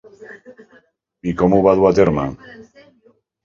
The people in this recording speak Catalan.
I com ho va dur a terme?